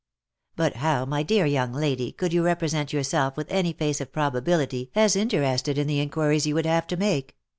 v " But how, my dear young lady, could you represent yourself with any face of probability as interested in the inquiries you would have to make